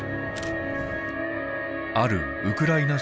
あるウクライナ